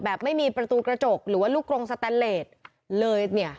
ไม่มีประตูกระจกหรือว่าลูกกรงสแตนเลสเลยเนี่ย